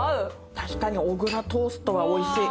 確かに小倉トーストはおいしい。